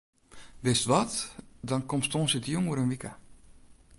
Wist wat, dan komst tongersdeitejûn oer in wike.